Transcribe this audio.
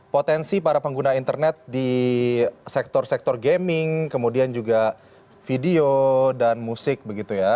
potensi para pengguna internet di sektor sektor gaming kemudian juga video dan musik begitu ya